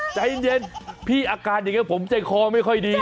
ใจเย็นพี่อาการอย่างนี้ผมใจคอไม่ค่อยดี